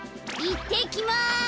いってきます！